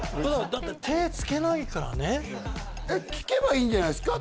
だって手つけないからね聞けばいいんじゃないですか？